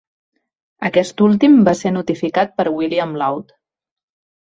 Aquest últim va ser notificat per William Laud.